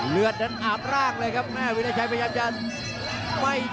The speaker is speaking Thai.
เลือดนั้นอาบรากเลยครับแม่วิราชัยพยายามจะไม่